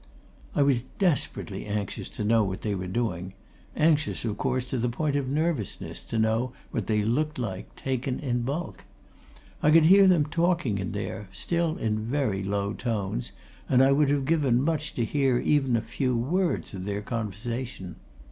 I was desperately anxious to know what they were doing anxious, to the point of nervousness, to know what they looked like, taken in bulk. I could hear them talking in there, still in very low tones, and I would have given much to hear even a few words of their conversation.